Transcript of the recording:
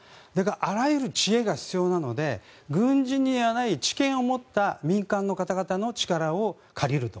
あらゆる知恵が必要なので軍人にはない知見を持った民間の方々の力を借りると。